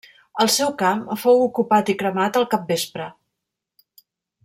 El seu camp fou ocupat i cremat al capvespre.